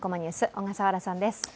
小笠原さんです。